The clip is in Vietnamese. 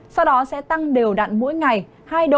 sau đó sẽ tăng đều đặn mỗi ngày hai độ trong hai ngày tiếp theo